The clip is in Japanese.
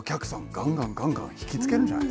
ガンガンガンガン引き付けるんじゃないですか？